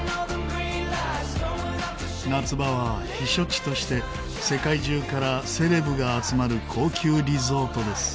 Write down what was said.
夏場は避暑地として世界中からセレブが集まる高級リゾートです。